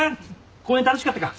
公園楽しかったか？